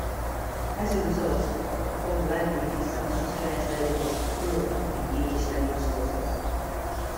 As a result, "Poglavnik" is sometimes translated as "Fuhrer" in English-language sources.